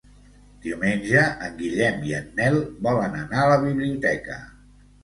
Diumenge en Guillem i en Nel volen anar a la biblioteca.